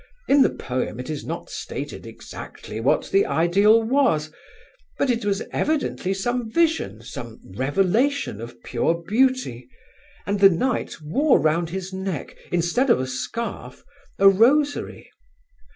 In the poem it is not stated exactly what the ideal was, but it was evidently some vision, some revelation of pure Beauty, and the knight wore round his neck, instead of a scarf, a rosary.